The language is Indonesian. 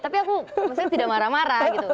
tapi aku maksudnya tidak marah marah gitu